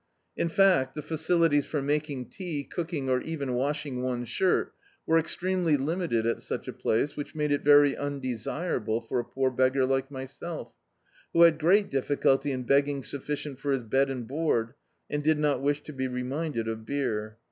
In fact the facilities for making tea, cooking, or even wailing one's shirt, were extremely limited at such a place, which made it very undesirable for a poor beggar like myself, who had great difficulty in beg ging sufficient for his bed and board, and did not wish to be reminded of beer.